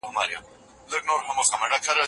پخوانيو ټولنو سياسي اصولو ته لږ پام کاوه.